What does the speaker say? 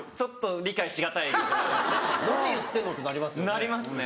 なりますね。